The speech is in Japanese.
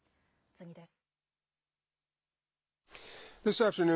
次です。